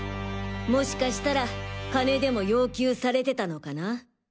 もしかしたら金でも要求されてたのかな？